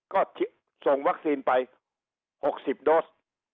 ก็ส่งวัคซีนไป๖๐โดส